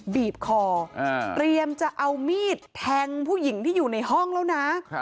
บีบคอเตรียมจะเอามีดแทงผู้หญิงที่อยู่ในห้องแล้วนะ